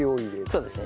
そうですね。